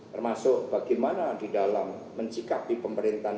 termasuk bagaimana di dalam mencikapi pemerintahan